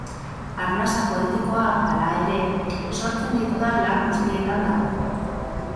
Arnasa poetikoa, hala ere, sortzen ditudan lan guztietan dago.